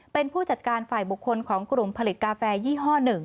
เป็นผู้จัดการฝ่ายบุคคลของกลุ่มผลิตกาแฟยี่ห้อ๑